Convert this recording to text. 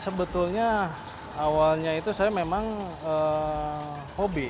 sebetulnya awalnya itu saya memang hobi